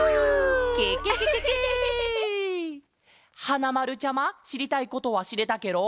はなまるちゃましりたいことはしれたケロ？